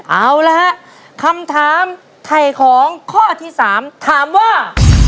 เอาละฮะคำถามไถ่ของข้อที่๓ถามว่า